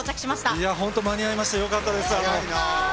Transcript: いや、本当間に合いました、よかったー。